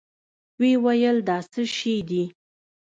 ويې ويل دا څه شې دي؟